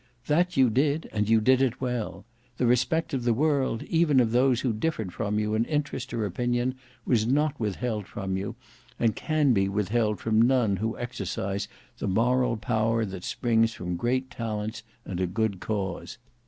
That you did, and you did it well; the respect of the world, even of those who differed from you in interest or opinion, was not withheld from you; and can be withheld from none who exercise the moral power that springs from great talents and a good cause.